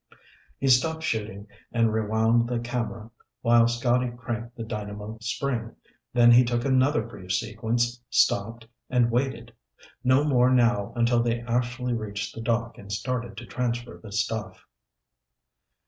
He stopped shooting and rewound the camera while Scotty cranked the dynamo spring, then he took another brief sequence, stopped, and waited. No more now until they actually reached the dock and started to transfer the stuff.